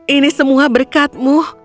ini semua berkatmu